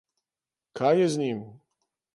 Kaj je z njim?